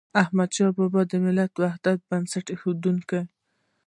احمدشاه بابا د ملت د وحدت بنسټ کيښود.